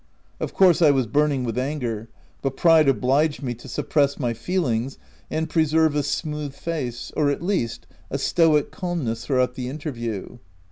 Of course, I was burning with anger, but pride obliged me to suppress my feelings, and pre serve a smooth face — or at least, a stoic calm ness throughout the interview.